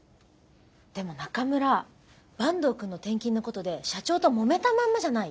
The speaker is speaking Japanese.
でも中村坂東くんの転勤のことで社長ともめたまんまじゃない？